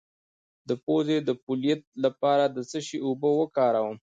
د پوزې د پولیت لپاره د څه شي اوبه وکاروم؟